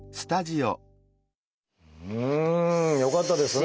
うん！よかったですね！